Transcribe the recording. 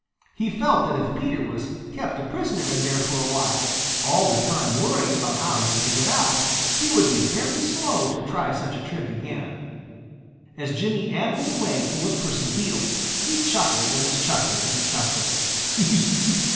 He felt that if Peter was kept a prisoner in there for a while, all the time worrying about how he was to get out, he would be very slow to try such a trick again. As Jimmy ambled away to look for some beetles, he chuckled and chuckled and chuckled.